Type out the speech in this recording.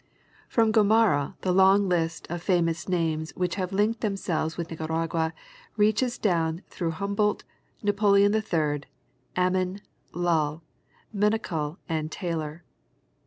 From Gomara the long list of famous names which have linked themselves with Nicaragua reaches down through Hum boldt, Napoleon III , Amraen, Lull, Menocal and Taylor.